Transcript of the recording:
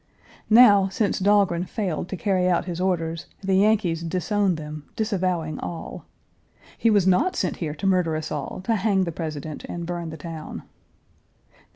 Now, since Dahlgren failed to carry out his orders, the Yankees disown them, disavowing all. He was not sent here to murder us all, to hang the President, and burn the town.